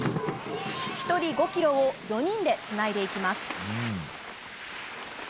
１人５キロを４人でつないでいきます。